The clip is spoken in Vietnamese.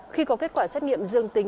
khi có kết quả xét nghiệm dương tính